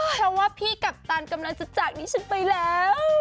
เพราะว่าพี่กัปตันกำลังจะจากดิฉันไปแล้ว